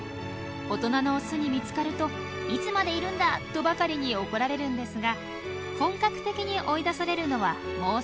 大人のオスに見つかると「いつまでいるんだ！」とばかりに怒られるんですが本格的に追い出されるのはもう少し先のこと。